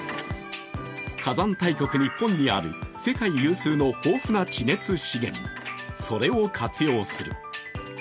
火山大国、日本にある世界有数の豊富な地熱資源、それを活用する。